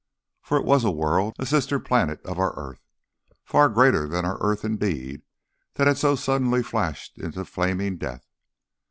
For it was a world, a sister planet of our earth, far greater than our earth indeed, that had so suddenly flashed into flaming death.